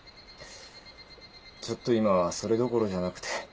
ちょっと今はそれどころじゃなくて。